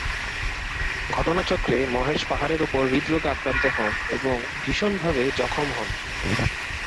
ঘটনাচক্রে মহেশ পাহাড়ের ওপর হৃদরোগে আক্রান্ত হন এবং ভীষণভাবে জখম হন।